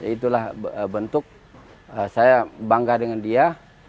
itulah bentuk saya bangga dengan dia